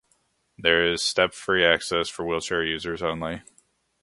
There is step-free access for wheelchair users only.